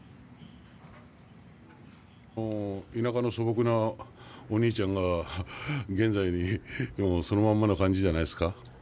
田舎の素朴なお兄ちゃんが現在もそのままな感じじゃないですか。